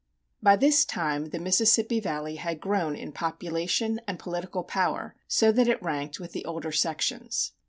By this time the Mississippi Valley had grown in population and political power so that it ranked with the older sections.